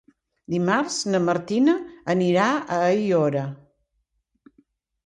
Dimarts na Martina anirà a Aiora.